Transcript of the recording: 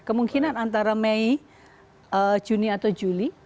kemungkinan antara mei juni atau juli